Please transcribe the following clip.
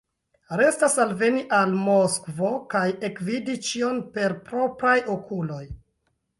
Restas alveni al Moskvo kaj ekvidi ĉion per propraj okuloj.